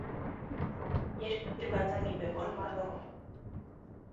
Երգը գրված է մի բեմոլ մաժորում։